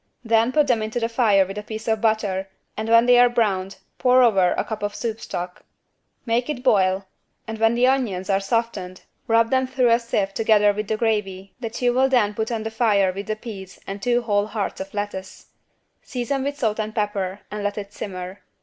Then put them into the fire with a piece of butter and when they are browned, pour over a cup of soup stock. Make it boil and when the onions are softened rub them through a sieve together with the gravy that you will then put on the fire with the peas and two whole hearts of lettuce. Season with salt and pepper and let it simmer.